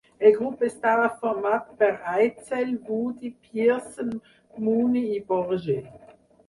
El grup estava format per Eitzel, Vudi, Pearson, Mooney i Borger.